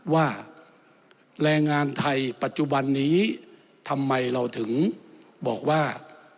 ว่าแรงงานไทยปัจจุบันนี้ทำไมเราถึงบอกว่า